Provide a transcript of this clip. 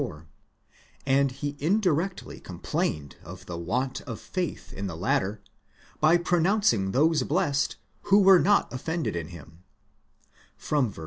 43) and he indirectly com plained of the want of faith in the latter by pronouncing those blessed who were not offended in him (ver.